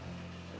saya kira tidak